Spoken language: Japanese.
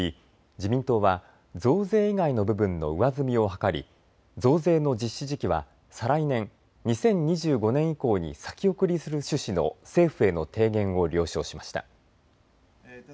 自民党は増税以外の部分の上積みを図り増税の実施時期は再来年２０２５年以降に先送りする趣旨の政府への提言を了承しました。